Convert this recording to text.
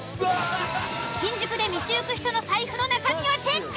新宿で道行く人の財布の中身をチェック！